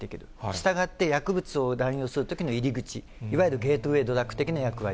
したがって、薬物を乱用するときの入り口、いわゆるゲートウェイドラッグ的な役割。